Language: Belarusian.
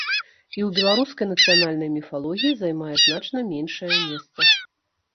І ў беларускай нацыянальнай міфалогіі займае значна меншае месца.